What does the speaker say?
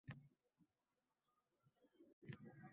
balki qishloqlarda o‘ziga to‘q